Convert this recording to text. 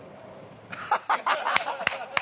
ハハハハ！